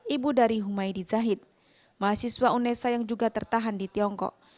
ibu dari humaydi zahid mahasiswa unesa yang juga tertahan di tiongkok